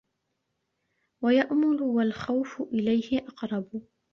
وَيَأْمُلُ وَالْخَوْفُ إلَيْهِ أَقْرَبُ